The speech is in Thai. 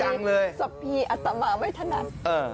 สับพีสับพีอัตตาบาลไม่ถนัด